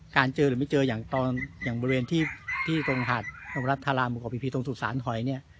การเจอหรือไม่เจอยังตอนอย่างบริเวณที่ตรงหดบรรทรธาราบกบพิพีตรงสุสานหอยเนี่ย